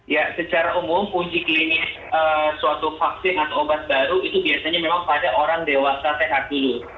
ya secara umum uji klinis suatu vaksin atau obat baru itu biasanya memang pada orang dewasa sehat dulu